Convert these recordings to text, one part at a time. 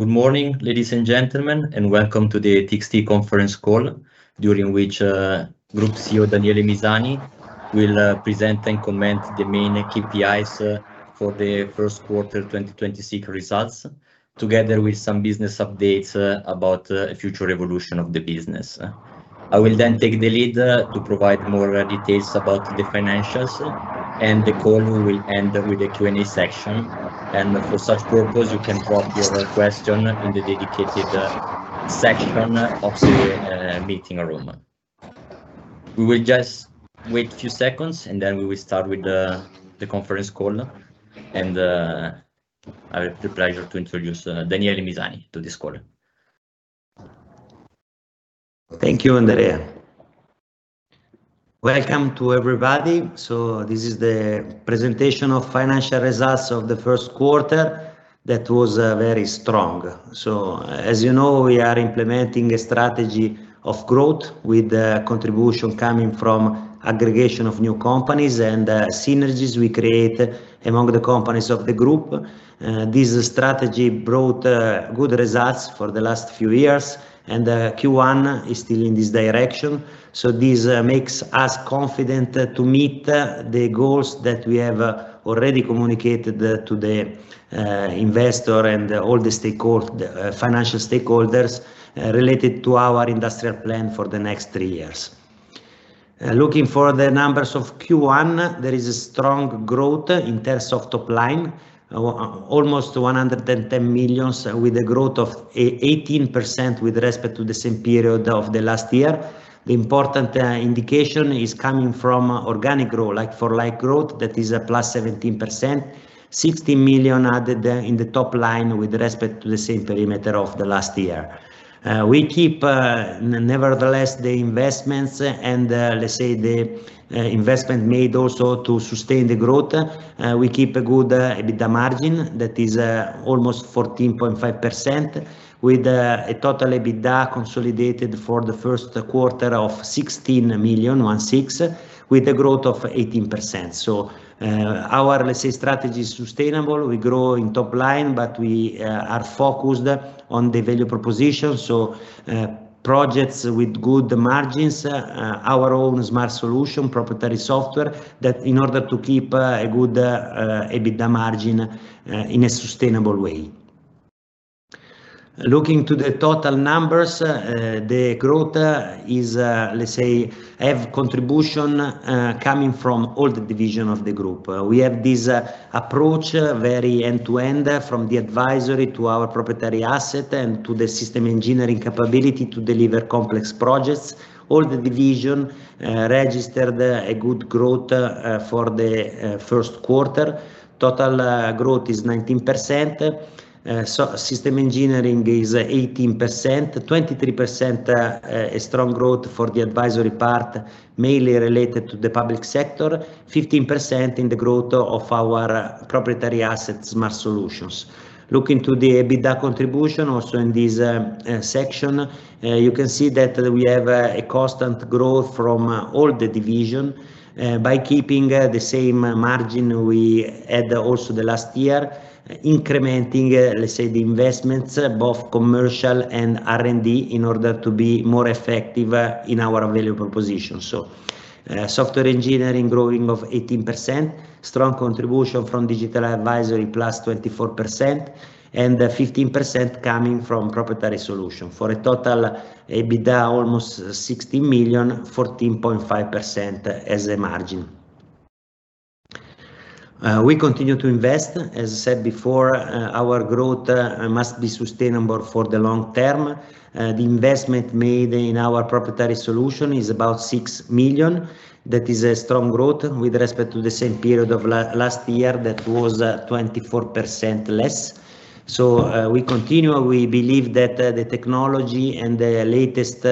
Good morning, ladies and gentlemen, and welcome to the TXT conference call during which, Group CEO Daniele Misani will, present and comment the main KPIs, for the Q1 2026 results, together with some business updates, about, future evolution of the business. I will then take the lead, to provide more, details about the financials, and the call will end with a Q&A section. For such purpose, you can drop your, question in the dedicated, section of the, meeting room. We will just wait a few seconds, and then we will start with, the conference call. I will have the pleasure to introduce, Daniele Misani to this call. Thank you, Andrea. Welcome to everybody. This is the presentation of financial results of the Q1 that was very strong. As you know, we are implementing a strategy of growth with contribution coming from aggregation of new companies and synergies we create among the companies of the group. This strategy brought good results for the last few years and Q1 is still in this direction. This makes us confident to meet the goals that we have already communicated to the investor and all the stakeholders, the financial stakeholders, related to our industrial plan for the next three years. Looking for the numbers of Q1, there is a strong growth in terms of top line, almost 110 million, with a growth of 18% with respect to the same period of the last year. The important indication is coming from organic growth, like for like growth, that is +17%, 16 million added in the top line with respect to the same perimeter of the last year. Nevertheless, the investments and the investment made also to sustain the growth, we keep a good EBITDA margin that is almost 14.5% with a total EBITDA consolidated for the Q1 of 16 million, 2026, with a growth of 18%. Our strategy is sustainable. We grow in top line, but we are focused on the value proposition, projects with good margins, our own Smart Solutions, proprietary software that in order to keep a good EBITDA margin in a sustainable way. Looking to the total numbers, the growth is have contribution coming from all the divisions of the group. We have this approach very end-to-end from the advisory to our proprietary asset and to the system engineering capability to deliver complex projects. All the division registered a good growth for the Q1. Total growth is 19%. System engineering is 18%. 23%, a strong growth for the advisory part, mainly related to the public sector, 15% in the growth of our proprietary assets, Smart Solutions. Looking to the EBITDA contribution, also in this section, you can see that we have a constant growth from all the division. by keeping the same margin we had also the last year, incrementing, let's say, the investments, both commercial and R&D, in order to be more effective in our value proposition. Software Engineering growing of 18%, strong contribution from Digital Advisory, +24%, and 15% coming from proprietary solution. For a total EBITDA almost 16 million, 14.5% as a margin. We continue to invest. As said before, our growth must be sustainable for the long term. The investment made in our proprietary solution is about 6 million. That is a strong growth with respect to the same period of last year that was 24% less. We continue. We believe that the technology and the latest,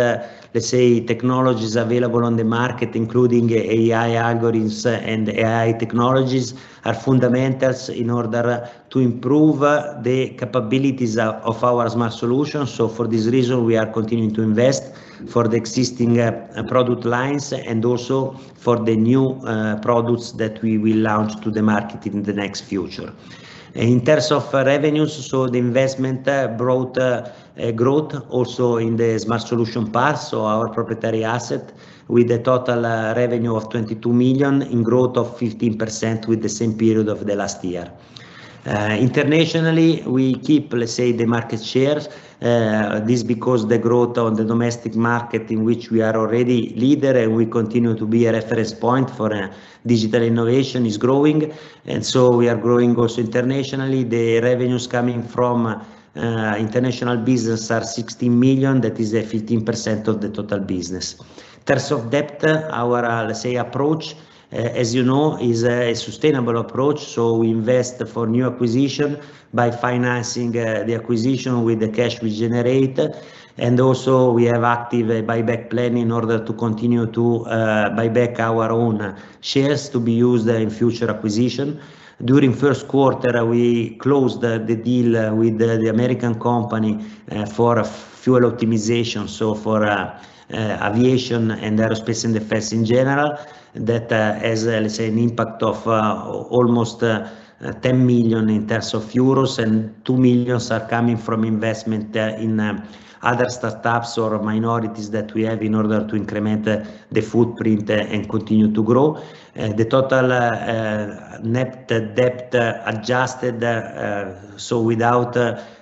let's say, technologies available on the market, including AI algorithms and AI technologies, are fundamentals in order to improve the capabilities of our Smart Solutions. For this reason, we are continuing to invest for the existing product lines and also for the new products that we will launch to the market in the next future. In terms of revenues, so the investment brought growth also in the Smart Solutions part, so our proprietary asset, with a total revenue of 22 million in growth of 15% with the same period of the last year. Internationally, we keep, let's say, the market share. This is because the growth on the domestic market in which we are already leader and we continue to be a reference point for digital innovation is growing. We are growing also internationally. The revenues coming from international business are 16 million. That is 15% of the total business. In terms of debt, our let's say approach, as you know, is a sustainable approach. We invest for new acquisition by financing the acquisition with the cash we generate. Also we have active buyback planning in order to continue to buyback our own shares to be used in future acquisition. During Q1, we closed the deal with the American company for Flight Profile Optimization, so for Aviation & Aerospace & Defense in general. That has an impact of almost 10 million, and 2 million euros are coming from investment in other startups or minorities that we have in order to increment the footprint and continue to grow. The total net debt adjusted, so without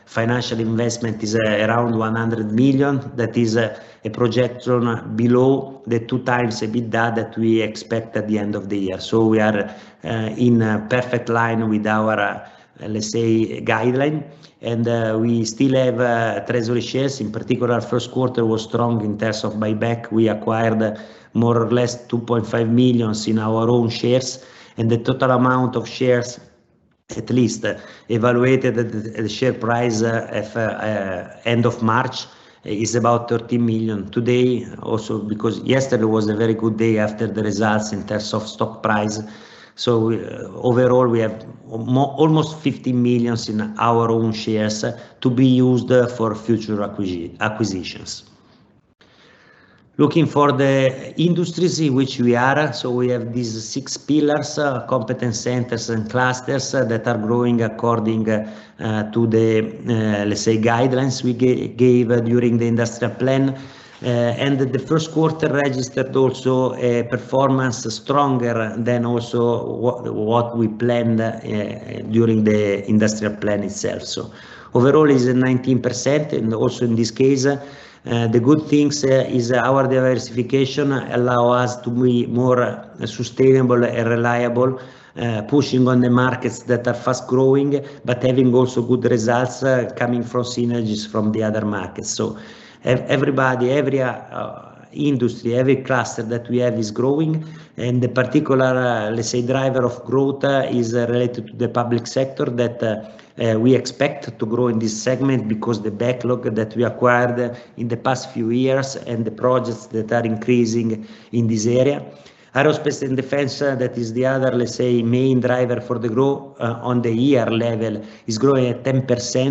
financial investment, is around 100 million. That is a projection below the 2x EBITDA that we expect at the end of the year. We are in perfect line with our guideline. We still have treasury shares. In particular, Q1 was strong in terms of buyback. We acquired more or less 2.5 million in our own shares. The total amount of shares, at least evaluated at the share price at end of March, is about 13 million. Today, also because yesterday was a very good day after the results in terms of stock price. Overall, we have almost 15 million in our own shares to be used for future acquisitions. Looking for the industries in which we are, we have these six pillars, competence centers and clusters that are growing according to the, let's say, guidelines we gave during the industrial plan. The Q1 registered also performance stronger than what we planned during the industrial plan itself. Overall is 19%. Also in this case, the good things is our diversification allow us to be more sustainable and reliable, pushing on the markets that are fast-growing but having also good results coming from synergies from the other markets. Everybody, every industry, every cluster that we have is growing. The particular, let's say, driver of growth is related to the public sector that, we expect to grow in this segment because the backlog that we acquired in the past few years and the projects that are increasing in this area. Aerospace & Defense, that is the other, let's say, main driver for the growth, on the year level is growing at 10%.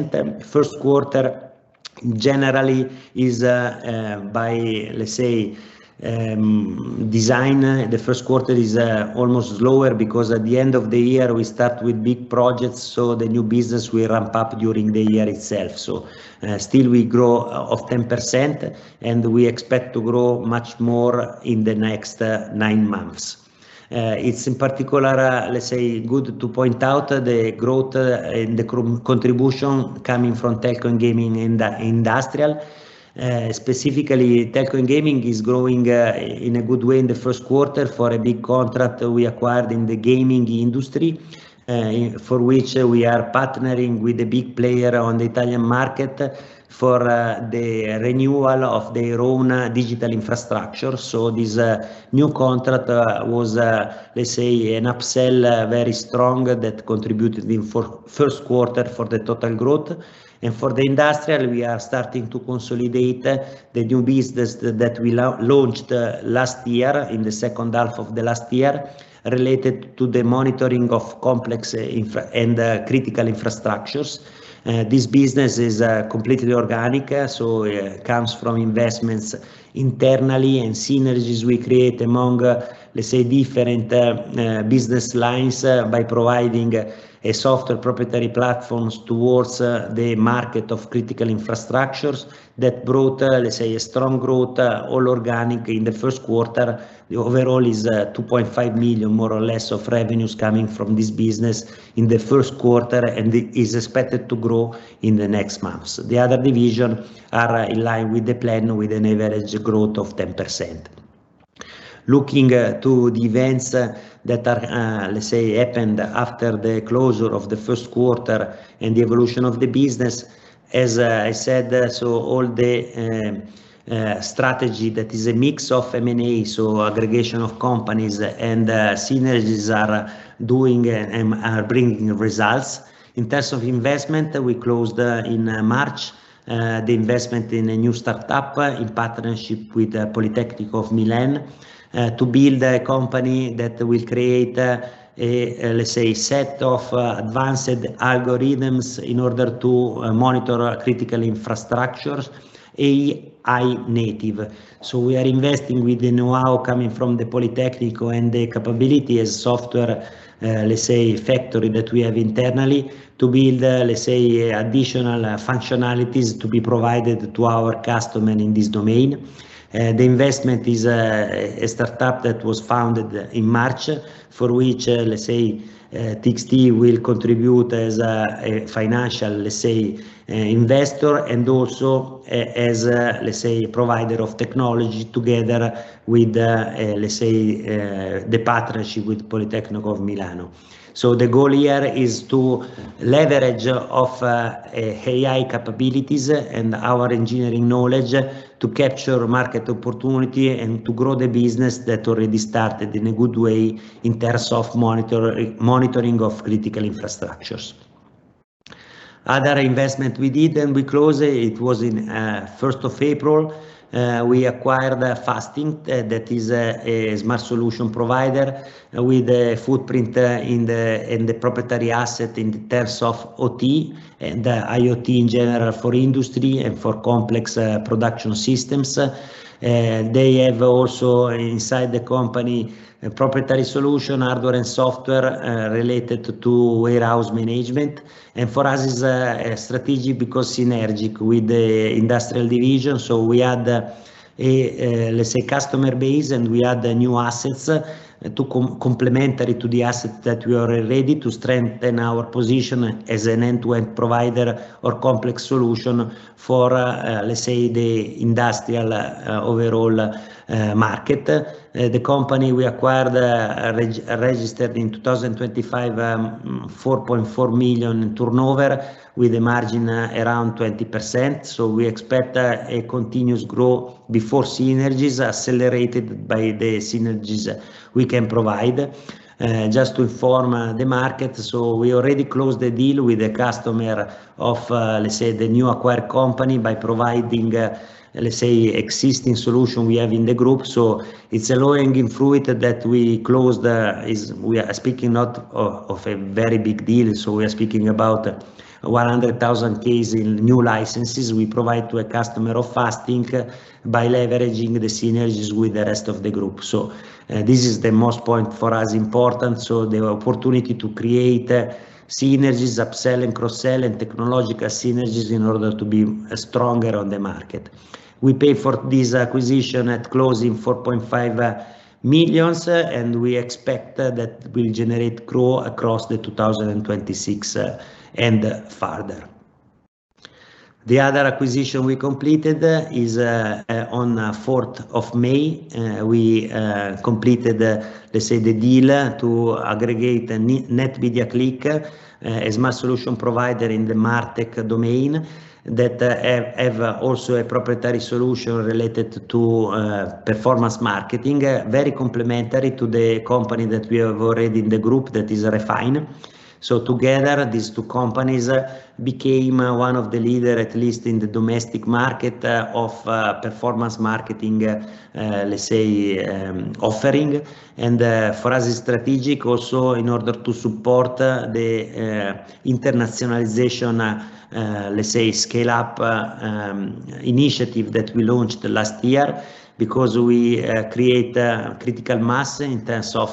Q1, generally, is, by, let's say, design. The Q1 is almost slower because at the end of the year, we start with big projects, so the new business will ramp up during the year itself. Still we grow of 10%, and we expect to grow much more in the next nine months. It is in particular, let's say, good to point out the growth and the contribution coming from Telco & Gaming and Industrial. Specifically, Telco & Gaming is growing, in a good way in the Q1 for a big contract we acquired in the gaming industry, for which we are partnering with a big player on the Italian market for the renewal of their own digital infrastructure. This new contract was, let's say, an upsell very strong that contributed in for Q1 for the total growth. For the Industrial, we are starting to consolidate the new business that we launched last year in the H2 of last year related to the monitoring of complex infra and critical infrastructures. This business is completely organic, so comes from investments internally and synergies we create among, let's say, different business lines by providing a software proprietary platforms towards the market of critical infrastructures that brought, let's say, a strong growth all organic in the Q1. The overall is 2.5 million, more or less, of revenues coming from this business in the Q1 and is expected to grow in the next months. The other divisions are in line with the plan with an average growth of 10%. Looking to the events that are, let's say, happened after the closure of the Q1 and the evolution of the business, as I said, all the, strategy that is a mix of M&A, so aggregation of companies, and, synergies are doing and are bringing results. In terms of investment, we closed, in March, the investment in a new startup in partnership with the Politecnico di Milano, to build a company that will create a, let's say, set of advanced algorithms in order to monitor critical infrastructures, AI native. We are investing with the know-how coming from the Politecnico di Milano and the capability as software, let's say, factory that we have internally to build, let's say, additional functionalities to be provided to our customers in this domain. The investment is a startup that was founded in March for which, let's say, TXT will contribute as a financial, let's say, investor and also as, let's say, provider of technology together with, let's say, the partnership with Politecnico di Milano. The goal here is to leverage AI capabilities and our engineering knowledge to capture market opportunity and to grow the business that already started in a good way in terms of monitoring of critical infrastructures. Other investment we did and we closed it was in 1st of April. We acquired FasThink. That is a Smart Solutions provider with a footprint in the proprietary asset in terms of OT and IoT in general for industry and for complex production systems. They have also inside the company a proprietary solution, hardware and software, related to warehouse management. For us, it's a strategy because synergic with the Industrial division. We had a, let's say, customer base and we had new assets complementary to the assets that we are already to strengthen our position as an end-to-end provider or complex solution for, let's say, the Industrial, overall, market. The company we acquired, registered in 2025, 4.4 million in turnover with a margin around 20%. We expect a continuous growth before synergies accelerated by the synergies we can provide. Just to inform the market, we already closed the deal with the customer of, let's say, the new acquired company by providing, let's say, existing solution we have in the group. It's a low-hanging in fruit that we closed is we are speaking not of a very big deal. We are speaking about 100,000 cases in new licenses we provide to a customer of FasThink by leveraging the synergies with the rest of the group. This is the most point for us important. The opportunity to create synergies, upsell and cross-sell, and technological synergies in order to be stronger on the market. We paid for this acquisition at closing 4.5 million, and we expect that will generate growth across the 2026 and farther. The other acquisition we completed is, on 4th of May 2026. We completed, let's say, the deal to aggregate NetMediaClick, a Smart Solutions provider in the MarTech domain that have also a proprietary solution related to performance marketing, very complementary to the company that we have already in the group that is Refine. Together, these two companies became one of the leaders, at least in the domestic market, of performance marketing, let's say, offering. For us, it's strategic also in order to support the internationalization, let's say, scale-up initiative that we launched last year because we create a critical mass in terms of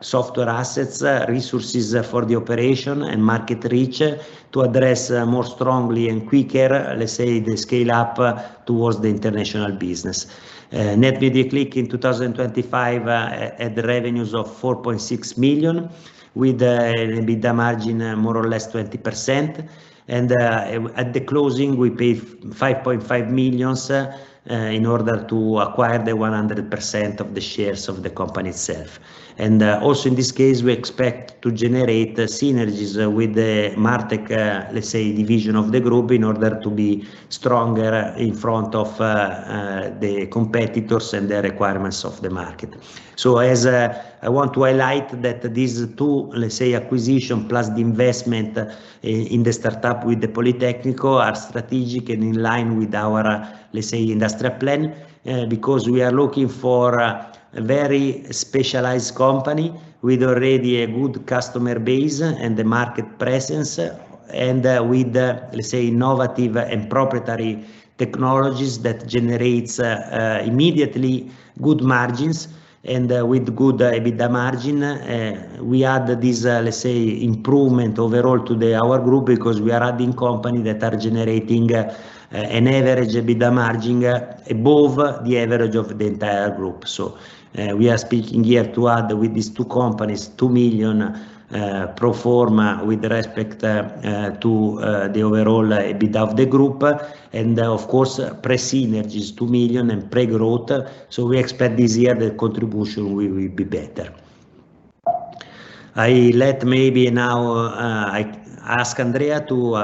software assets, resources for the operation, and market reach to address more strongly and quicker, let's say, the scale-up towards the international business. NetMediaClick in 2025 had revenues of 4.6 million with an EBITDA margin more or less 20%. At the closing, we paid 5.5 million in order to acquire the 100% of the shares of the company itself. Also in this case, we expect to generate synergies with the MarTech division of the group in order to be stronger in front of the competitors and the requirements of the market. I want to highlight that these two acquisition plus the investment in the startup with the Politecnico di Milano are strategic and in line with our industrial plan, because we are looking for a very specialized company with already a good customer base and a market presence and with innovative and proprietary technologies that generates immediately good margins and with good EBITDA margin. we add this, let's say, improvement overall to our group because we are adding companies that are generating, an average EBITDA margin above the average of the entire group. we are speaking here to add with these two companies, 2 million, pro forma with respect to the overall EBITDA of the group and, of course, pre-synergies 2 million and pre-growth. We expect this year the contribution will be better. I let maybe now, I ask Andrea to,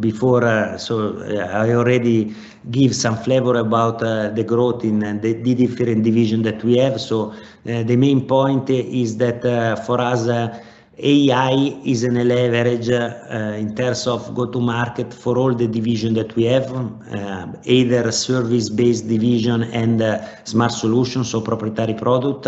before, I already give some flavor about the growth in the different divisions that we have. The main point is that, for us, AI is an elevator, in terms of go-to-market for all the divisions that we have, either service-based division and Smart Solutions, proprietary product.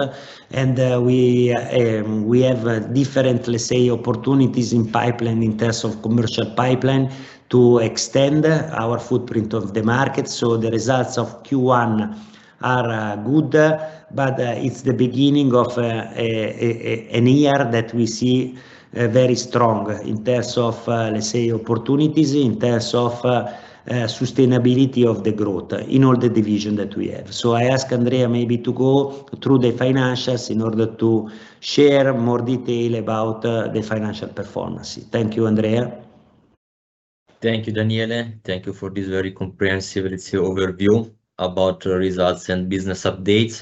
We have different, let's say, opportunities in pipeline in terms of commercial pipeline to extend our footprint of the market. The results of Q1 are good, but it's the beginning of a year that we see very strong in terms of, let's say, opportunities, in terms of sustainability of the growth in all the divisions that we have. I ask Andrea maybe to go through the financials in order to share more detail about the financial performance. Thank you, Andrea. Thank you, Daniele. Thank you for this very comprehensive, let's say, overview about results and business updates.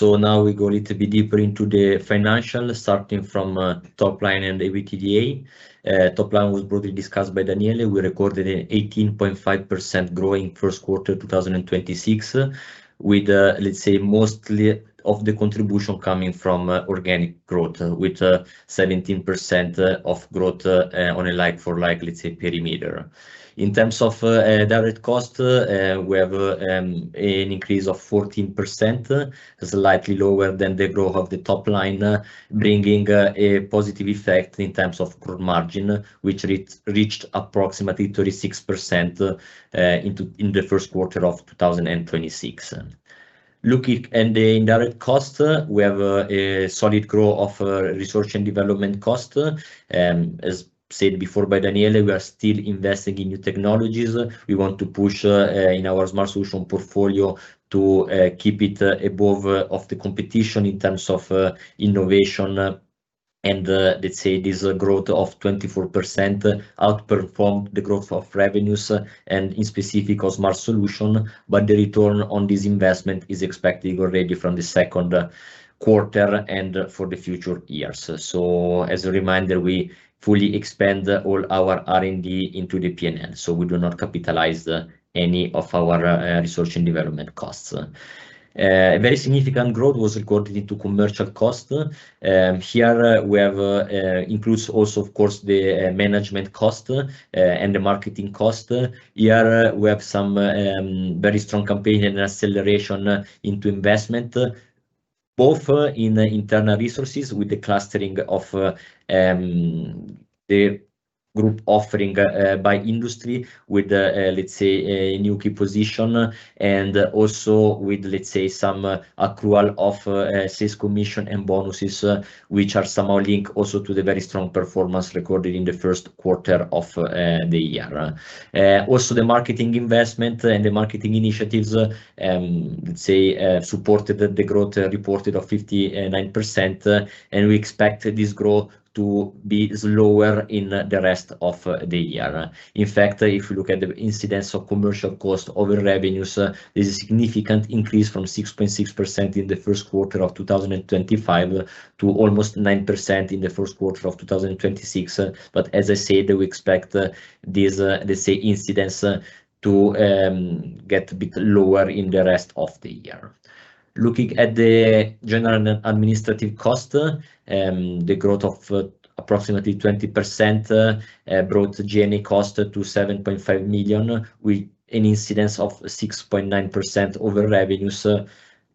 Now we go a little bit deeper into the financials, starting from top line and the EBITDA. Top line was broadly discussed by Daniele. We recorded an 18.5% growing Q1 2026 with, let's say, mostly of the contribution coming from organic growth with 17% of growth on a like-for-like, let's say, perimeter. In terms of direct cost, we have an increase of 14%, slightly lower than the growth of the top line, bringing a positive effect in terms of growth margin, which reached approximately 36% in the Q1 of 2026. Looking at the indirect cost, we have a solid growth of research and development cost. As said before by Daniele, we are still investing in new technologies. We want to push in our Smart Solutions portfolio to keep it above of the competition in terms of innovation. Let's say, this growth of 24% outperformed the growth of revenues and in specific of Smart Solutions. The return on this investment is expected already from the Q2 and for the future years. As a reminder, we fully expense all our R&D into the P&L. We do not capitalize any of our research and development costs. A very significant growth was recorded into commercial cost. Here we have, includes also, of course, the management cost and the marketing cost. Here we have some very strong campaign and acceleration into investment, both in internal resources with the clustering of the group offering, by industry with, let's say, a new key position and also with, let's say, some accrual of sales commission and bonuses, which are somehow linked also to the very strong performance recorded in the Q1 of the year. Also the marketing investment and the marketing initiatives, let's say, supported the growth reported of 59%. We expect this growth to be slower in the rest of the year. In fact, if we look at the incidence of commercial cost over revenues, there's a significant increase from 6.6% in the Q1 of 2025 to almost 9% in the Q1 of 2026. As I said, we expect this, let's say, incidence to get a bit lower in the rest of the year. Looking at the general administrative costs, the growth of approximately 20%, brought G&A costs to 7.5 million with an incidence of 6.9% over revenues,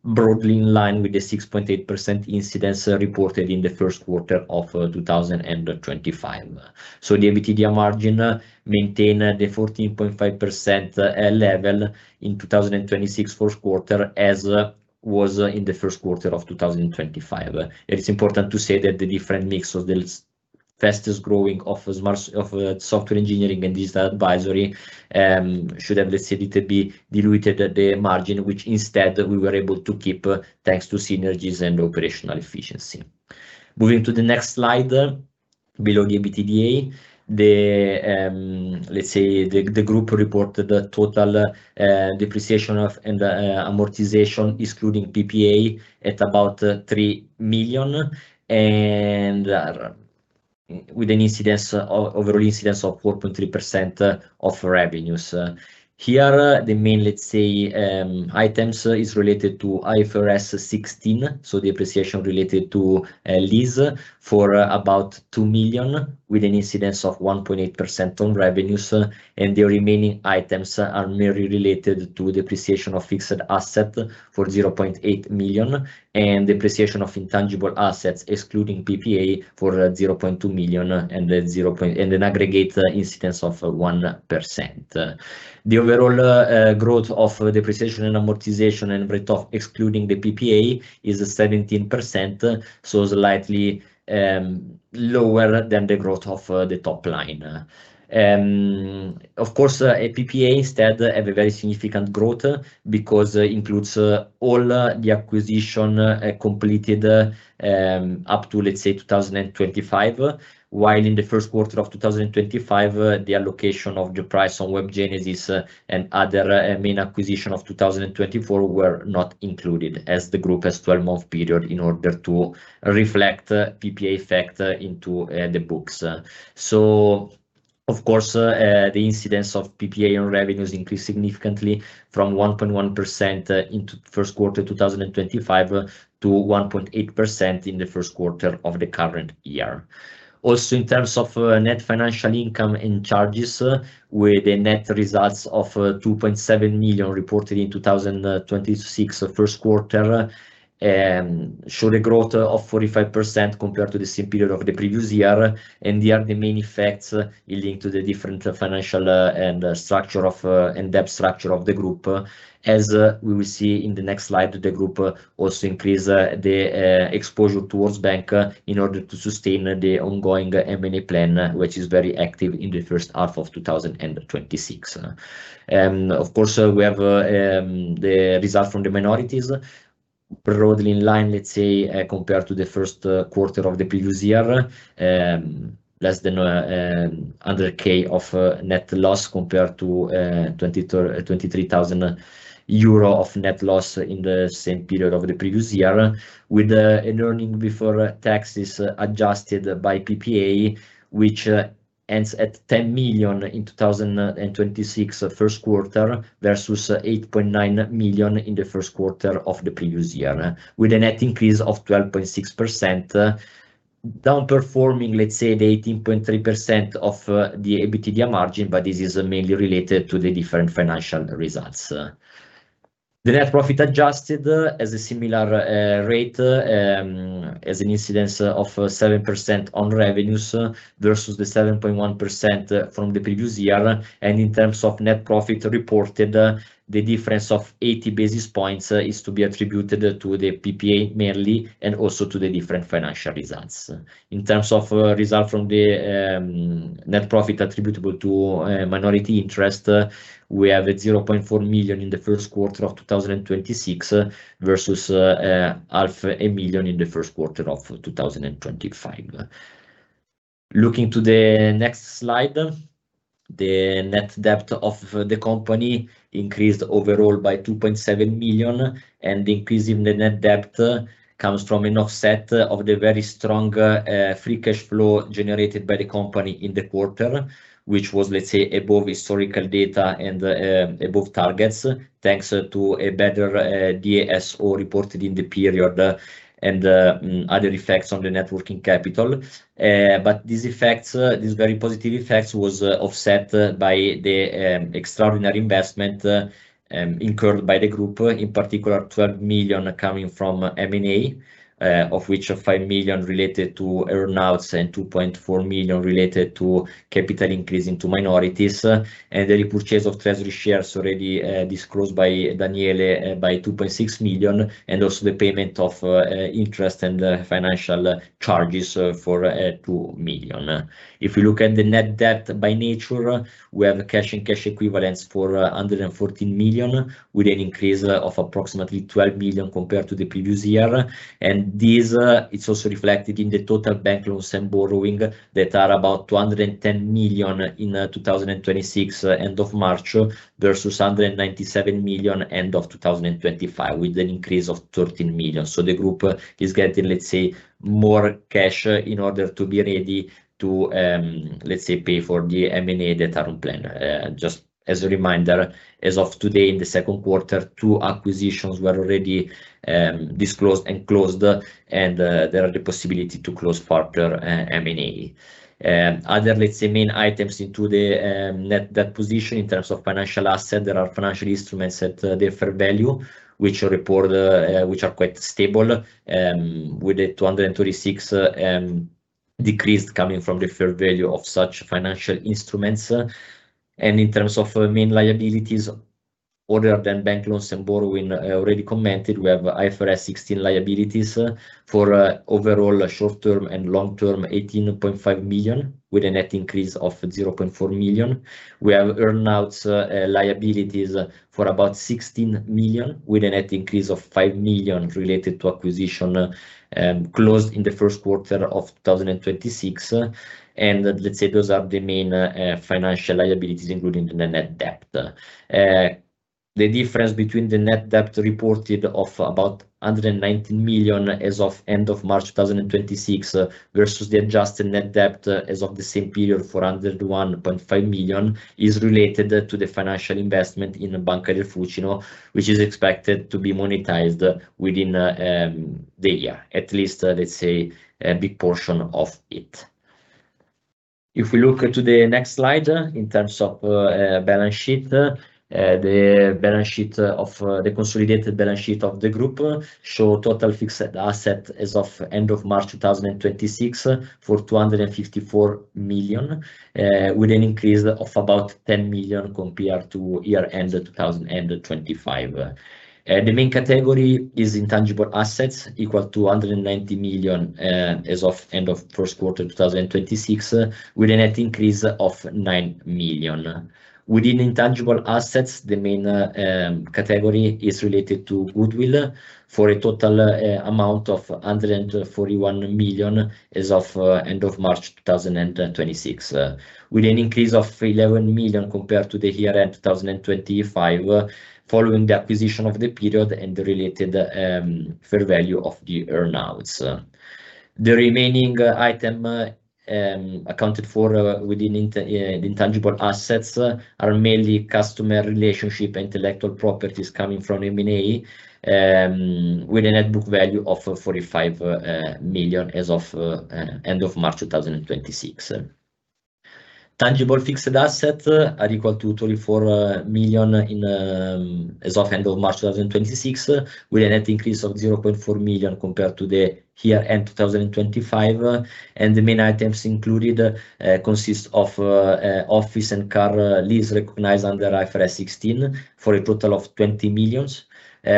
broadly in line with the 6.8% incidence reported in the Q1 of 2025. The EBITDA margin maintained the 14.5% level in 2026 Q1 as was in the Q1 of 2025. It is important to say that the different mix of the fastest growing of Smart Solutions, Software Engineering and Digital Advisory, should have, let's say, a little bit diluted the margin, which instead we were able to keep thanks to synergies and operational efficiency. Moving to the next slide below the EBITDA, the Group reported the total depreciation and amortization, excluding PPA, at about 3 million, with an overall incidence of 4.3% of revenues. Here the main items is related to IFRS 16. The depreciation related to lease for about 2 million with an incidence of 1.8% on revenues. The remaining items are merely related to depreciation of fixed assets for 0.8 million and depreciation of intangible assets, excluding PPA, for 0.2 million and an aggregate incidence of 1%. The overall growth of depreciation and amortization and write-off, excluding the PPA, is 17%. Slightly lower than the growth of the top line. PPA instead have a very significant growth because includes all the acquisition completed, up to, let's say, 2025, while in the Q1 of 2025, the allocation of the price on Webgenesys and other main acquisitions of 2024 were not included as the group has a 12-month period in order to reflect PPA effect into the books. The incidence of PPA on revenues increased significantly from 1.1% into Q1 2025 to 1.8% in the Q1 of the current year. In terms of net financial income and charges, with the net results of 2.7 million reported in 2026 Q1, showed a growth of 45% compared to the same period of the previous year. These are the main effects linked to the different financial and structure of and debt structure of the group. As we will see in the next slide, the group also increased the exposure towards banks in order to sustain the ongoing M&A plan, which is very active in the H1 of 2026. Of course, we have the results from the minorities broadly in line, let's say, compared to the Q1 of the previous year, less than 100,000 of net loss compared to 23,000 euro of net loss in the same period of the previous year, with earnings before taxes adjusted by PPA, which ends at 10 million in 2026 Q1 versus 8.9 million in the Q1 of the previous year, with a net increase of 12.6%, underperforming, let's say, the 18.3% of the EBITDA margin. This is mainly related to the different financial results. The net profit adjusted has a similar, rate, as an incidence of 7% on revenues versus the 7.1% from the previous year. In terms of net profit reported, the difference of 80 basis points is to be attributed to the PPA mainly and also to the different financial results. In terms of results from the, net profit attributable to, minority interest, we have 0.4 million in the Q1 of 2026 versus, 0.5 million in the Q1 of 2025. Looking to the next slide, the net debt of the company increased overall by 2.7 million. The increase in the net debt comes from an offset of the very strong, free cash flow generated by the company in the quarter, which was, let's say, above historical data and, above targets thanks to a better, DSO reported in the period and, other effects on the networking capital. These effects, these very positive effects were offset by the extraordinary investment incurred by the group, in particular 12 million coming from M&A, of which 5 million related to earnouts and 2.4 million related to capital increase into minorities. The repurchase of treasury shares already disclosed by Daniele by 2.6 million and also the payment of interest and financial charges for 2 million. If we look at the net debt by nature, we have cash and cash equivalents for 114 million with an increase of approximately 12 million compared to the previous year. This, it's also reflected in the total bank loans and borrowing that are about 210 million in 2026 end of March versus 197 million end of 2025 with an increase of 13 million. The group is getting, let's say, more cash in order to be ready to, let's say, pay for the M&A that are planned. Just as a reminder, as of today in the Q2, two acquisitions were already disclosed and closed. There are the possibility to close further M&A. Other, let's say, main items into the net debt position in terms of financial assets, there are financial instruments at their fair value, which are reported, which are quite stable, with the 236 decreased coming from the fair value of such financial instruments. In terms of main liabilities, other than bank loans and borrowing, already commented, we have IFRS 16 liabilities for overall short term and long term 18.5 million with a net increase of 0.4 million. We have earnouts liabilities for about 16 million with a net increase of 5 million related to acquisition, closed in the Q1 of 2026. Let's say those are the main financial liabilities including the net debt. The difference between the net debt reported of about 119 million as of end of March 2026 versus the adjusted net debt as of the same period for under 1.5 million is related to the financial investment in Banca del Fucino, which is expected to be monetized within the year, at least, let's say, a big portion of it. If we look to the next slide in terms of balance sheet, the consolidated balance sheet of the group showed total fixed assets as of end of March 2026 for 254 million, with an increase of about 10 million compared to year end 2025. The main category is intangible assets equal to 190 million, as of end of Q1 2026 with a net increase of 9 million. Within intangible assets, the main category is related to Goodwill for a total amount of 141 million as of end of March 2026 with an increase of 11 million compared to the year-end 2025 following the acquisition of the period and the related fair value of the earnouts. The remaining item accounted for within intangible assets are mainly customer relationship intellectual properties coming from M&A, with a net book value of 45 million as of end of March 2026. Tangible fixed assets are equal to 34 million in as of end of March 2026 with a net increase of 0.4 million compared to the year-end 2025. The main items included, consist of, office and car lease recognized under IFRS 16 for a total of 20 million,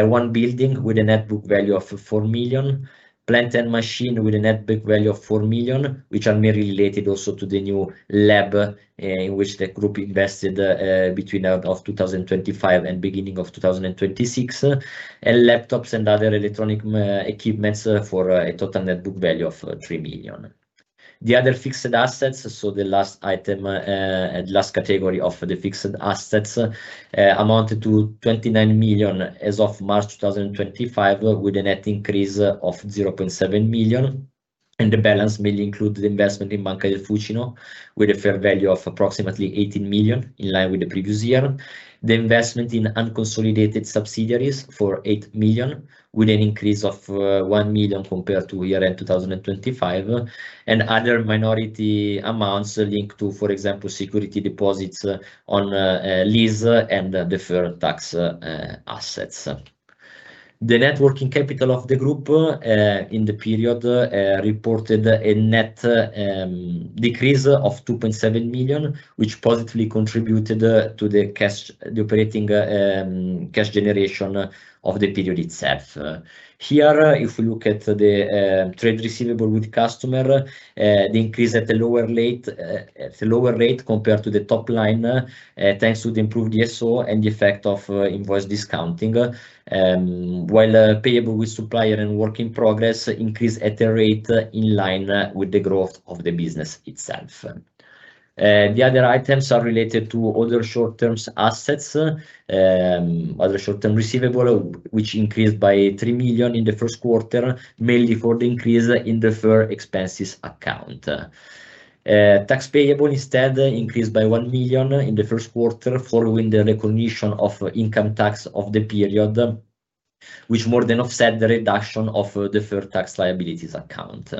one building with a net book value of 4 million, plant and machine with a net book value of 4 million, which are merely related also to the new lab, in which the group invested, between end of 2025 and beginning of 2026, and laptops and other electronic, equipments for a total net book value of 3 million. The other fixed assets, so the last item, the last category of the fixed assets, amounted to 29 million as of March 2025 with a net increase of 0.7 million. The balance mainly included investment in Banca del Fucino with a fair value of approximately 18 million in line with the previous year, the investment in unconsolidated subsidiaries for 8 million with an increase of 1 million compared to year end 2025, and other minority amounts linked to, for example, security deposits on lease and deferred tax assets. The net working capital of the Group, in the period, reported a net decrease of 2.7 million, which positively contributed to the operating cash generation of the period itself. If we look at the trade receivables with customers, the increase at a lower rate compared to the top line, thanks to the improved DSO and the effect of invoice discounting, while payables with suppliers and work in progress increased at a rate in line with the growth of the business itself. The other items are related to other short term assets, other short term receivable, which increased by 3 million in the Q1, mainly for the increase in the deferred expenses account. Tax payable instead increased by 1 million in the Q1 following the recognition of income tax of the period, which more than offset the reduction of the deferred tax liabilities account.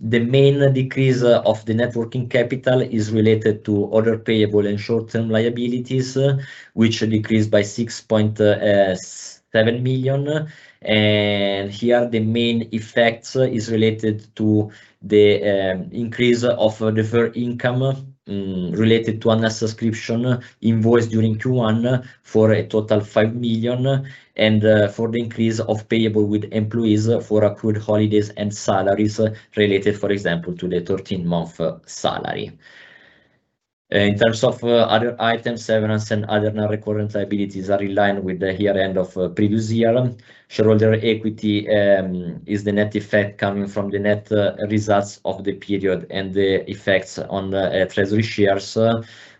The main decrease of the net working capital is related to other payable and short term liabilities, which decreased by 6.7 million. Here the main effects is related to the increase of deferred income, related to unbilled subscription invoice during Q1 for a total of 5 million and for the increase of payable with employees for accrued holidays and salaries related, for example, to the 13-month salary. in terms of other items, severance and other non-recurrent liabilities are in line with the year end of previous year. Shareholder equity, is the net effect coming from the net results of the period and the effects on treasury shares,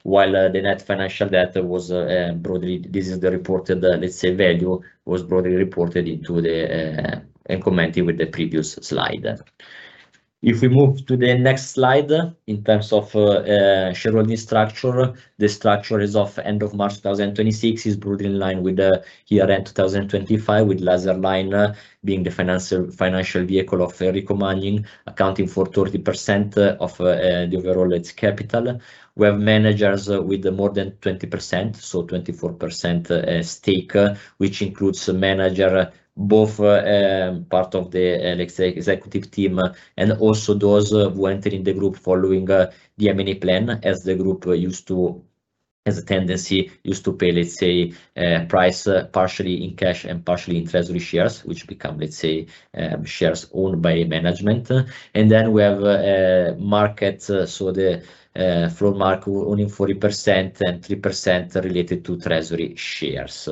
while the net financial debt was broadly reported into the, and commented with the previous slide. If we move to the next slide in terms of, shareholding structure, the structure as of end of March 2026 is broadly in line with the year end 2025, with Laserline being the financial vehicle of Enrico Magni accounting for 30% of, the overall its capital. We have managers with more than 20%, so 24%, stake, which includes manager, both, part of the, let's say, executive team and also those who enter in the Group following the M&A plan, as the Group used to, as a tendency used to pay, let's say, price partially in cash and partially in treasury shares, which become, let's say, shares owned by management. We have, market. The, floor mark owning 40% and 3% related to Treasury shares,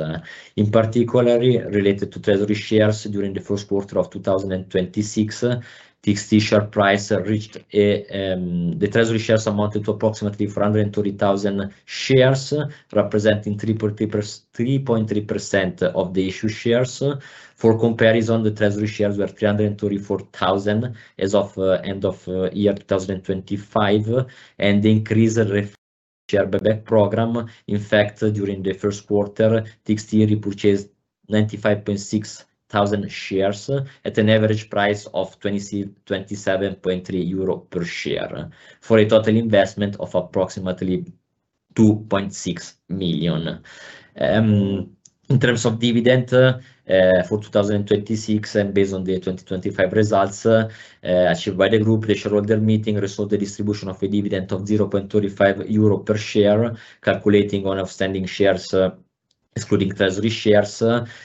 in particularly related to Treasury shares during the Q1 of 2026. The treasury shares amounted to approximately 430,000 shares, representing 3.3% of the issue shares. For comparison, the Treasury shares were 334,000 as of end of year 2025. The increase share buyback program, in fact, during the Q1, TXT repurchased 95,600 shares at an average price of 27.3 euro per share for a total investment of approximately 2.6 million. In terms of dividend, for 2026 and based on the 2025 results, achieved by the group, the shareholder meeting resolved the distribution of a dividend of 0.35 euro per share, calculating on outstanding shares, excluding treasury shares,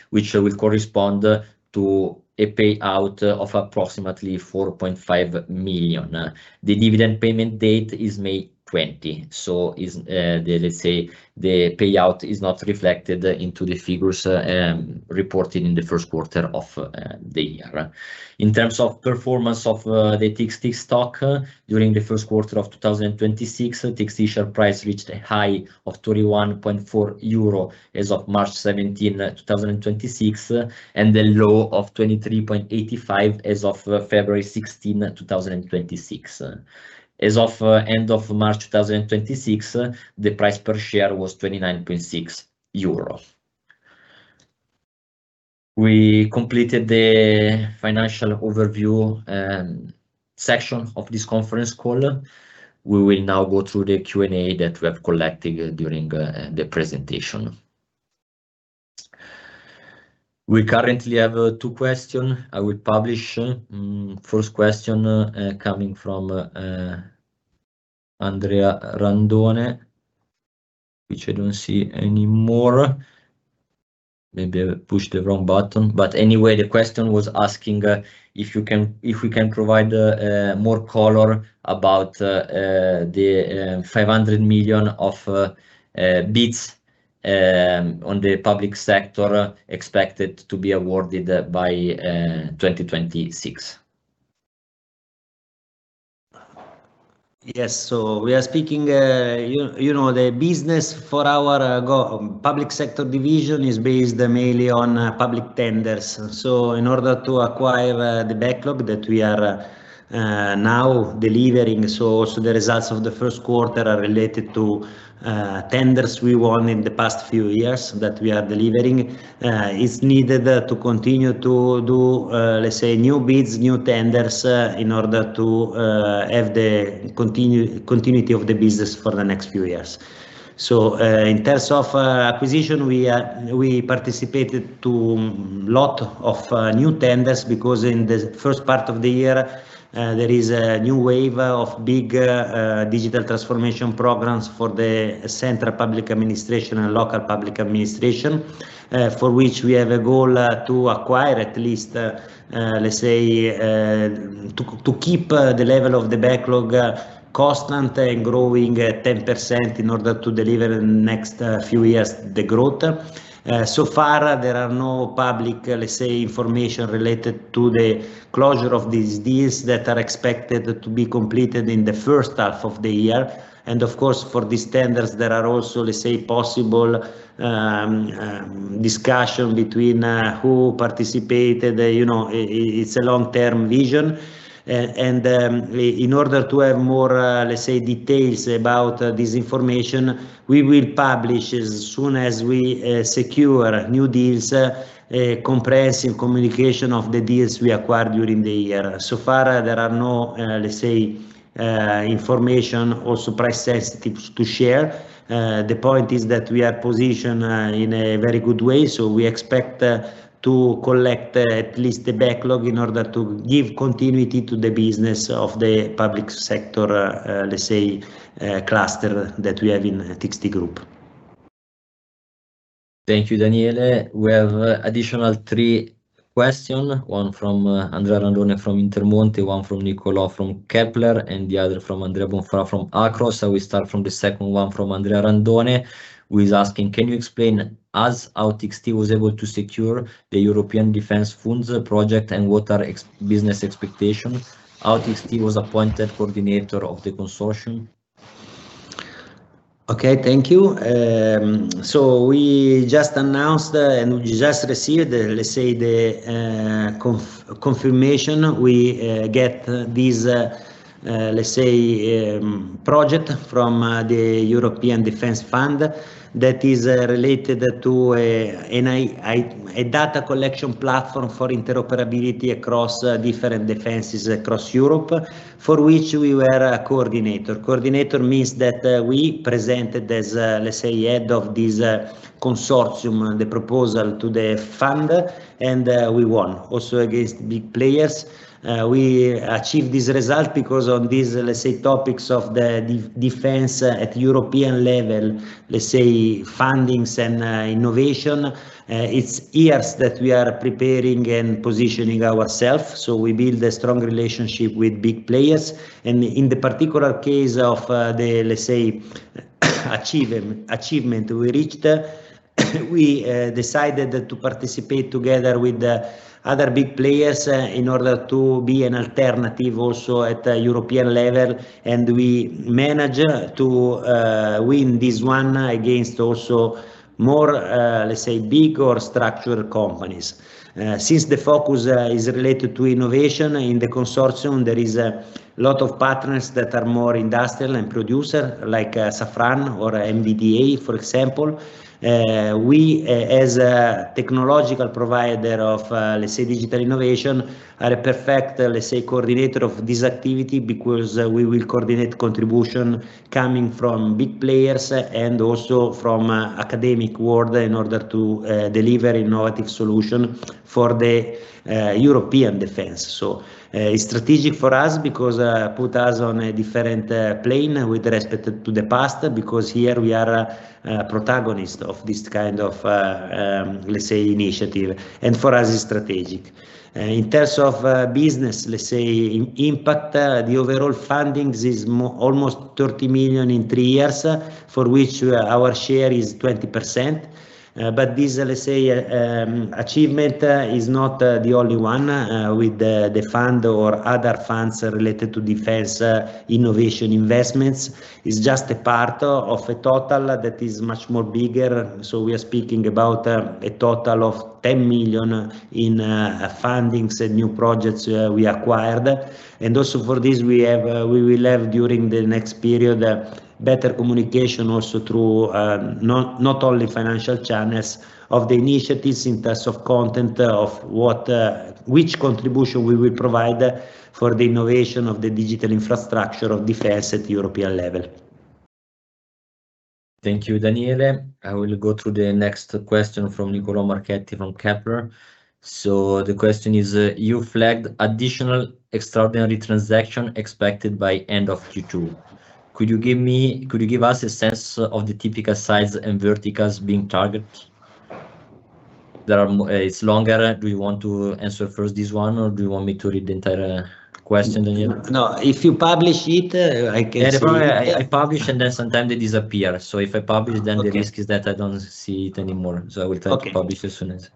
which will correspond to a payout of approximately 4.5 million. The dividend payment date is May 20. The payout is not reflected into the figures reported in the Q1 of the year. In terms of performance of the TXT stock during the Q1 of 2026, TXT share price reached a high of 31.4 euro as of March 17, 2026, and the low of 23.85 as of February 16, 2026. As of end of March 2026, the price per share was 29.6 euros. We completed the financial overview section of this conference call. We will now go through the Q&A that we have collected during the presentation. We currently have two questions. I will publish. First question coming from Andrea Randone, which I don't see anymore. Maybe I pushed the wrong button. Anyway, the question was asking if we can provide more color about the EUR 500 million of bids on the public sector expected to be awarded by 2026. Yes. We are speaking, you know, the business for our go public sector division is based mainly on public tenders. In order to acquire the backlog that we are now delivering, also the results of the Q1 are related to tenders we won in the past few years that we are delivering. it's needed to continue to do, let's say, new bids, new tenders in order to have the continuity of the business for the next few years. In terms of acquisition, we participated in a lot of new tenders because in the first part of the year, there is a new wave of big, digital transformation programs for the central public administration and local public administration, for which we have a goal to acquire at least, let's say, to keep the level of the backlog constant and growing 10% in order to deliver in the next few years the growth. Far there are no public, let's say, information related to the closure of these deals that are expected to be completed in the H1 of the year. Of course, for these tenders, there are also, let's say, possible discussion between who participated. You know, it's a long term vision. In order to have more, let's say, details about this information, we will publish as soon as we, secure new deals, comprehensive communication of the deals we acquired during the year. So far there are no, let's say, information also price sensitive to share. The point is that we are positioned in a very good way. We expect to collect at least the backlog in order to give continuity to the business of the public sector, let's say, cluster that we have in TXT Group. Thank you, Daniele. We have additional three questions. One from Andrea Randone from Intermonte, one from Nicolò from Kepler, and the other from Andrea Bonfà from Banca Akros. I will start from the second one from Andrea Randone who is asking, can you explain as how TXT was able to secure the European Defense Fund project and what are business expectations? How TXT was appointed coordinator of the consortium? Okay, thank you. We just announced and we just received, let's say, the, confirmation we, get this, let's say, project from the European Defense Fund that is related to a data collection platform for interoperability across different defenses across Europe for which we were a coordinator. Coordinator means that we presented as, let's say, head of this consortium the proposal to the fund and we won also against big players. We achieved this result because on this, let's say, topics of the defense at European level, let's say, fundings and innovation, it's years that we are preparing and positioning ourselves. We build a strong relationship with big players. In the particular case of the achievement we reached, we decided to participate together with other big players in order to be an alternative also at European level. We managed to win this one against also more big or structured companies. Since the focus is related to innovation in the consortium, there is a lot of partners that are more industrial and producer like Safran or MBDA, for example. We, as a technological provider of digital innovation, are a perfect coordinator of this activity because we will coordinate contribution coming from big players and also from the academic world in order to deliver innovative solutions for the European defense. It's strategic for us because it puts us on a different plane with respect to the past because here we are a protagonist of this kind of, let's say, initiative. For us it's strategic in terms of business, let's say, impact. The overall funding is almost 30 million in three years for which our share is 20%. This, let's say, achievement is not the only one, with the fund or other funds related to defense innovation investments. It's just a part of a total that is much more bigger. We are speaking about a total of 10 million in fundings and new projects we acquired. Also for this we will have during the next period better communication also through, not only financial channels of the initiatives in terms of content of what, which contribution we will provide for the innovation of the digital infrastructure of defense at European level. Thank you, Daniele. I will go through the next question from Nicolò Marchetti from Kepler. The question is, you flagged additional extraordinary transactions expected by end of Q2. Could you give us a sense of the typical size and verticals being targeted? There are, it's longer. Do you want to answer first this one or do you want me to read the entire question, Daniele? No, if you publish it, I can see. I publish and then sometimes they disappear. If I publish, then the risk is that I don't see it anymore. I will try to publish as soon as.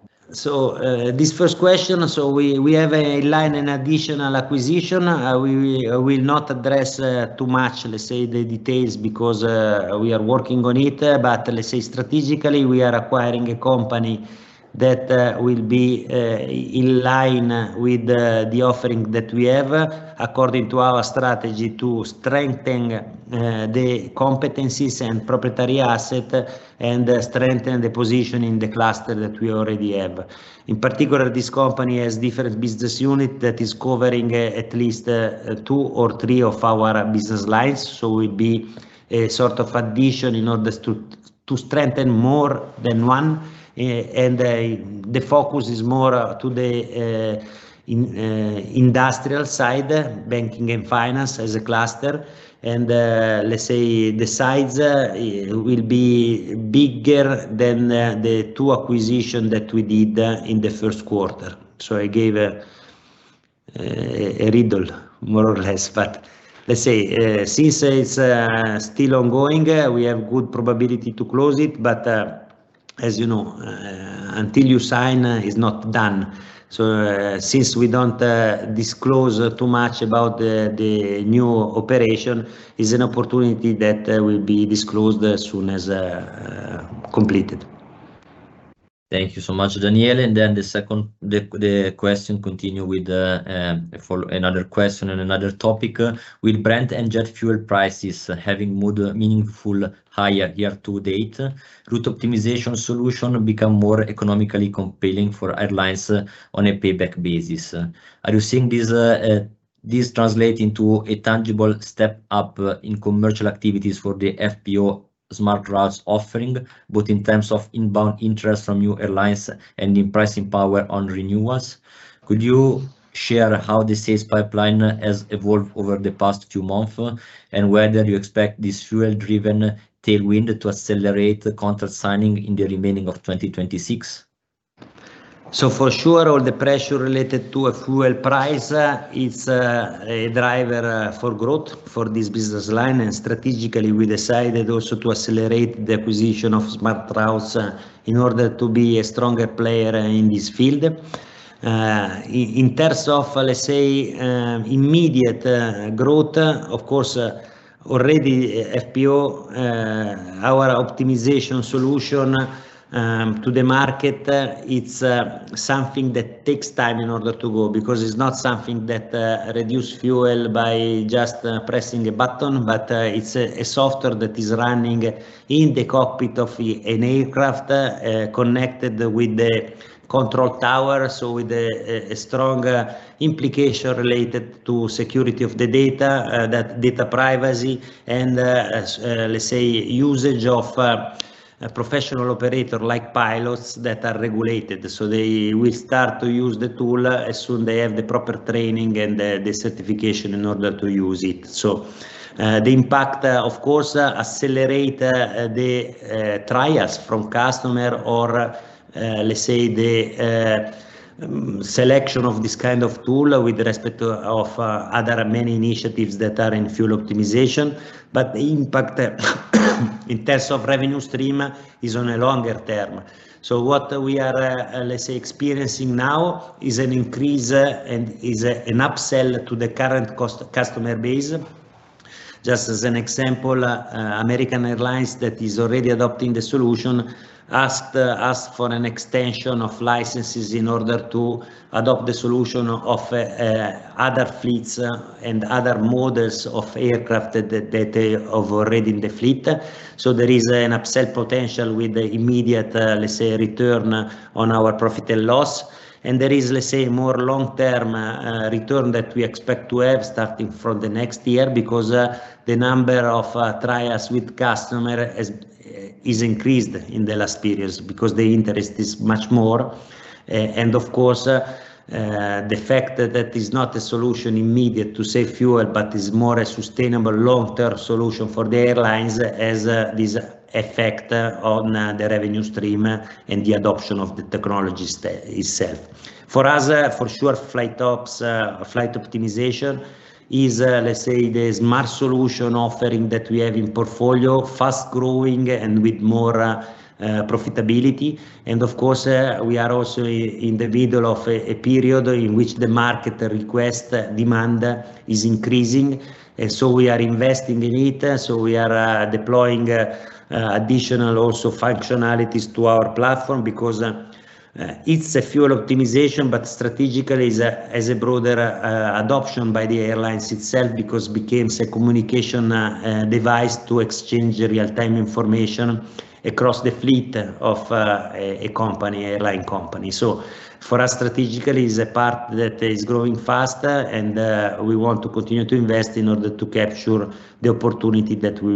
This first question, we have in line an additional acquisition. We will not address too much, let's say, the details because we are working on it. Let's say strategically we are acquiring a company that will be in line with the offering that we have according to our strategy to strengthen the competencies and proprietary assets and strengthen the position in the cluster that we already have. In particular, this company has different business units that is covering at least two or three of our business lines. It will be a sort of addition in order to strengthen more than one. The focus is more to the Industrial side, banking and finance as a cluster. Let's say the size will be bigger than the two acquisitions that we did in the Q1. I gave a riddle, more or less. Let's say, since it's still ongoing, we have good probability to close it. As you know, until you sign is not done. Since we don't disclose too much about the new operation, it's an opportunity that will be disclosed as soon as completed. Thank you so much, Daniele. The second question continues with another question and another topic. With Brent and jet fuel prices having moved meaningfully higher year to date, route optimization solutions become more economically compelling for airlines on a payback basis. Are you seeing this translate into a tangible step up in commercial activities for the FPO SmartRoutes offering, both in terms of inbound interest from new airlines and in pricing power on renewals? Could you share how the sales pipeline has evolved over the past few months and whether you expect this fuel-driven tailwind to accelerate contract signing in the remaining of 2026? For sure, all the pressure related to a fuel price is a driver for growth for this business line. Strategically we decided also to accelerate the acquisition of SmartRoutes in order to be a stronger player in this field. in terms of, let's say, immediate growth, of course, already FPO, our optimization solution, to the market, it's something that takes time in order to go because it's not something that reduces fuel by just pressing a button, but it's a software that is running in the cockpit of an aircraft, connected with the control tower. With a strong implication related to security of the data, that data privacy and usage of professional operators like pilots that are regulated. They will start to use the tool as soon as they have the proper training and the certification in order to use it. The impact, of course, accelerates the trials from customers or the selection of this kind of tool with respect to other many initiatives that are in fuel optimization. The impact in terms of revenue stream is on a longer term. What we are experiencing now is an increase and is an upsell to the current customer base. Just as an example, American Airlines that is already adopting the solution asked us for an extension of licenses in order to adopt the solution of other fleets and other models of aircraft that they have already in the fleet. There is an upsell potential with the immediate, let's say, return on our profit and loss. There is, let's say, more long-term return that we expect to have starting from the next year because the number of trials with customers is increased in the last period because the interest is much more. Of course, the fact that it's not a solution immediate to save fuel, but it's more a sustainable long-term solution for the airlines has this effect on the revenue stream and the adoption of the technology itself. For us, for sure, Flight Profile Optimization is, let's say, the smart solution offering that we have in portfolio, fast growing and with more profitability. Of course, we are also in the middle of a period in which the market request, demand is increasing. We are investing in it. We are deploying additional also functionalities to our platform because it's a fuel optimization, but strategically it's a broader adoption by the airlines itself because it becomes a communication device to exchange real-time information across the fleet of a company airline company. For us, strategically it's a part that is growing fast and we want to continue to invest in order to capture the opportunity that we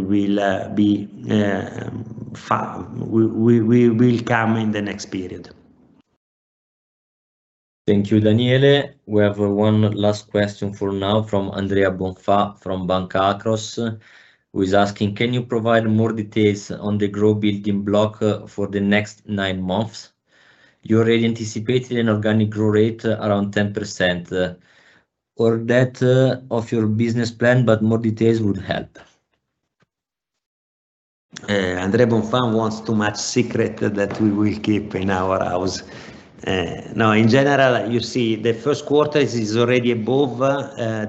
will come in the next period. Thank you, Daniele. We have one last question for now from Andrea Bonfà from Banca Akros who is asking, can you provide more details on the growth building block for the next nine months? You already anticipated an organic growth rate around 10% or that of your business plan, but more details would help. Andrea Bonfà wants too much secret that we will keep in our house. In general, you see, the Q1 is already above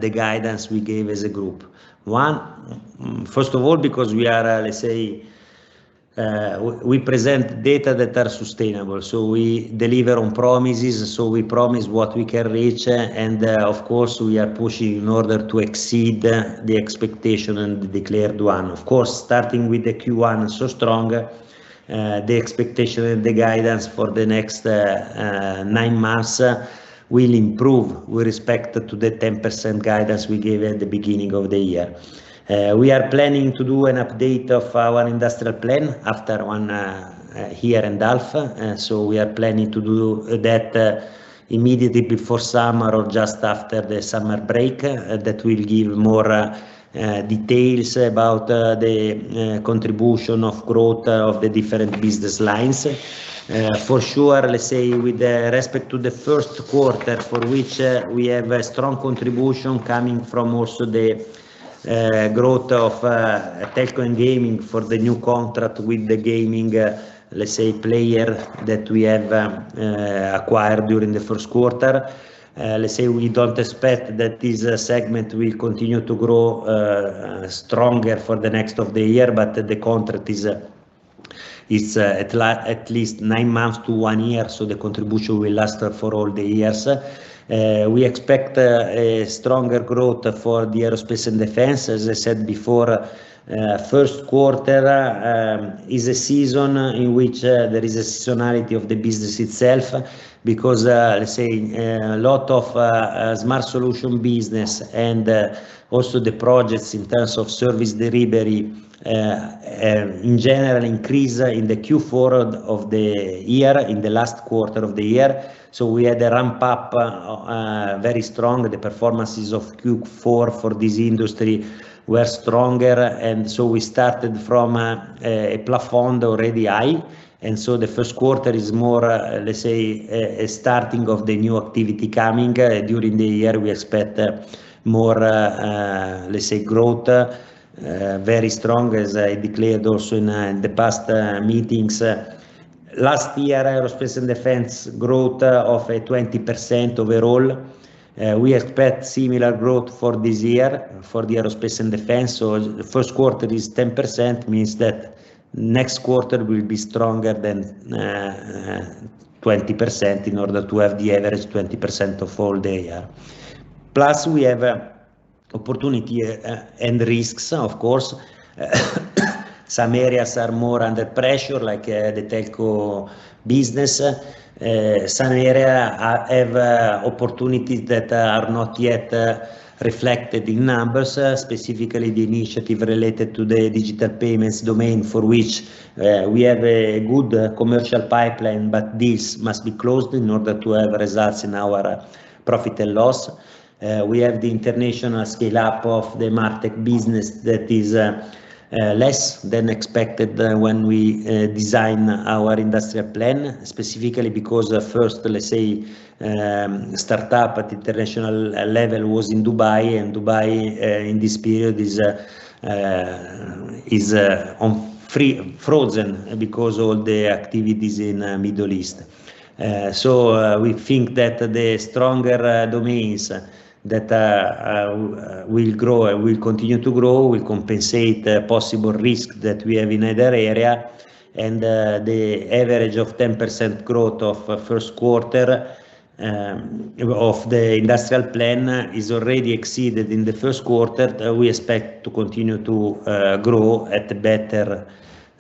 the guidance we gave as a group. First of all, because we are, let's say, we present data that are sustainable. We deliver on promises. We promise what we can reach. Of course, we are pushing in order to exceed the expectation and the declared one. Of course, starting with the Q1 so strong, the expectation and the guidance for the next nine months will improve with respect to the 10% guidance we gave at the beginning of the year. We are planning to do an update of our industrial plan after one year and a half. We are planning to do that immediately before summer or just after the summer break that will give more details about the contribution of growth of the different business lines. With respect to the Q1 for which we have a strong contribution coming from also the growth of Telco & Gaming for the new contract with the gaming player that we have acquired during the Q1. We don't expect that this segment will continue to grow, stronger for the next half of the year, the contract is at least nine months to one year. The contribution will last for all the years. We expect a stronger growth for the Aerospace & Defense. As I said before, Q1 is a season in which there is a seasonality of the business itself because, let's say, a lot of Smart Solutions business and also the projects in terms of service delivery, in general increase in the Q4 of the year, in the last quarter of the year. We had a ramp-up, very strong. The performances of Q4 for this industry were stronger. We started from a plafond already high. The Q1 is more, let's say, a starting of the new activity coming. During the year we expect more, let's say, growth, very strong as I declared also in the past meetings. Last year, Aerospace & Defense growth of a 20% overall. We expect similar growth for this year for the Aerospace & Defense. The Q1 is 10% means that next quarter will be stronger than 20% in order to have the average 20% of all the year. We have opportunity and risks, of course. Some areas are more under pressure like the Telco business. Some areas have opportunities that are not yet reflected in numbers, specifically the initiative related to the digital payments domain for which we have a good commercial pipeline, but deals must be closed in order to have results in our profit and loss. We have the international scale-up of the MarTech business that is less than expected when we design our industrial plan, specifically because first, let's say, a startup at international level was in Dubai. Dubai in this period is frozen because of all the activities in the Middle East. We think that the stronger domains that will grow and will continue to grow will compensate possible risks that we have in either area. The average of 10% growth of Q1 of the industrial plan is already exceeded in the Q1. We expect to continue to grow at a better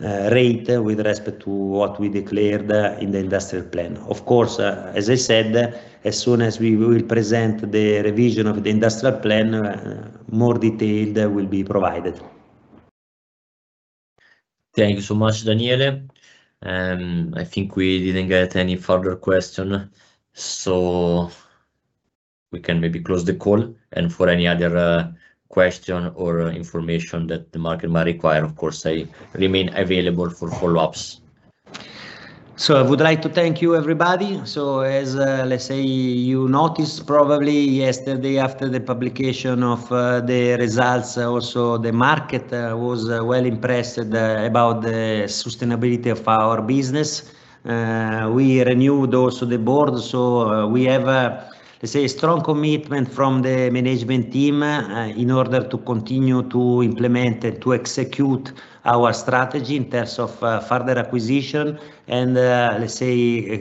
rate with respect to what we declared in the industrial plan. Of course, as I said, as soon as we will present the revision of the industrial plan, more details will be provided. Thank you so much, Daniele. I think we didn't get any further questions. We can maybe close the call. For any other question or information that the market might require, of course, I remain available for follow-ups. I would like to thank you, everybody. As, let's say, you noticed probably yesterday after the publication of the results, also the market was well impressed about the sustainability of our business. We renewed also the board. We have, let's say, a strong commitment from the management team in order to continue to implement and to execute our strategy in terms of further acquisition and, let's say,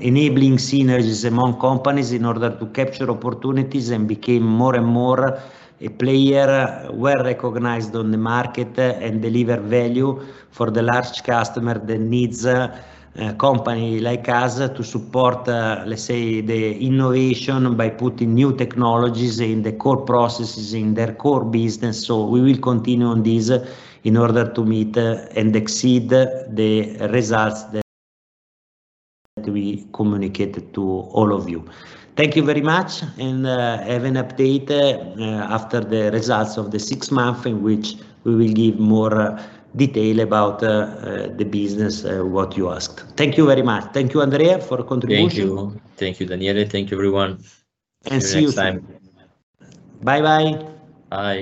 enabling synergies among companies in order to capture opportunities and become more and more a player well recognized on the market and deliver value for the large customer that needs a company like us to support, let's say, the innovation by putting new technologies in the core processes in their core business. We will continue on this in order to meet and exceed the results that we communicated to all of you. Thank you very much. I have an update after the results of the six months in which we will give more detail about the business, what you asked. Thank you very much. Thank you, Andrea, for your contribution. Thank you. Thank you, Daniele. Thank you, everyone. See you. See you next time. Bye-bye. Bye.